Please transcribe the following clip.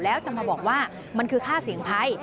แล้วจะมาบอกว่ามันคือค่าเสี่ยงภัย